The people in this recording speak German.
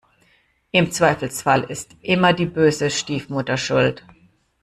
Im Zweifelsfall ist immer die böse Stiefmutter schuld.